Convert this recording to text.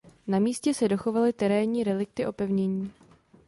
Na místě se dochovaly terénní relikty opevnění.